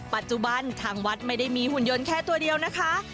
ปัจจุบันทางวัดไม่ได้มีหุ่นยนต์แค่ตัวเดียวนะคะ